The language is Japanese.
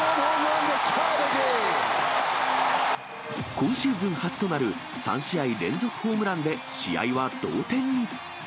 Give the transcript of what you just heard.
今シーズン初となる３試合連続ホームランで、試合は同点に。